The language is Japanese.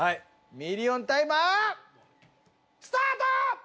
ミリオンタイマースタート！